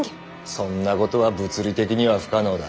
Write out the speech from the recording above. そんなことは物理的には不可能だ。